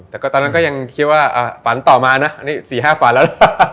แต่ก็ตอนนั้นก็ยังคิดว่าฝันต่อมานะอันนี้๔๕ฝันแล้ว